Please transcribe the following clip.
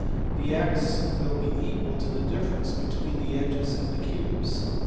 Then x will be equal to the difference between the edges of the cubes.